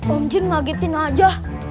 om jun ngagetin aja